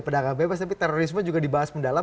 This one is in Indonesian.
pedagang bebas tapi terorisme juga dibahas mendalam